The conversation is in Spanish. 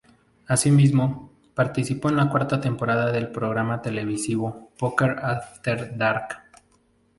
Asimismo, participó en la cuarta temporada del programa televisivo Poker After Dark.